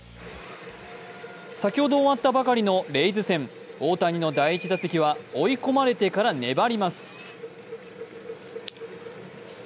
先ほど終わったばかりのレイズ戦、大谷の第１打席は追い込まれてから粘ります。